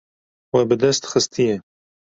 We bi dest xistiye.